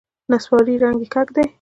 نسواري رنګ کږ دی.